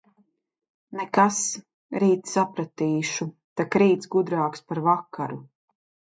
Nekas, rīt sapratīšu, tak rīts gudrāks par vakaru.